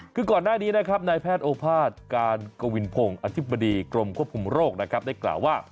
คือก่อนหน้านี้นะครับนายแพทย์โอภาษย์การกวินพงศ์อธิบดีกรมควบคุมโรคนะครับได้กล่าวว่า